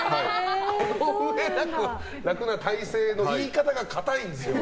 この上なく楽な体勢の言い方が堅いんですよ。